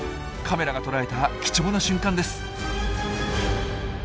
カメラが捉えた貴重な瞬間です。